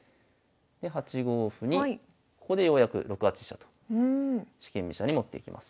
で８五歩にここでようやく６八飛車と四間飛車に持っていきます。